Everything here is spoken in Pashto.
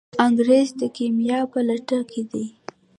انګریز د کیمیا په لټه کې دی.